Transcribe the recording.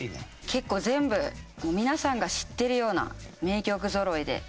結構全部皆さんが知ってるような名曲ぞろいで。